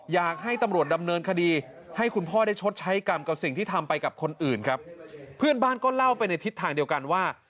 อยากให้ตำรวจดำเนินคดีให้คุณพ่อได้ชดใช้กรรมกับสิ่งที่ทำไปกับคนอื่นครับเพื่อนบ้านก็เล่าไปในทิศทางเดียวกันว่า